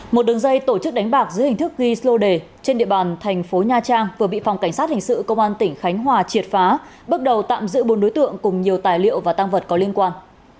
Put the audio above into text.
một đường dây tổ chức đánh bạc dưới hình thức ghi số đề trên địa bàn thành phố nha trang vừa bị phòng cảnh sát hình sự công an tỉnh khánh hòa triệt phá bước đầu tạm giữ bốn đối tượng cùng nhiều tài liệu và tăng vật có liên quan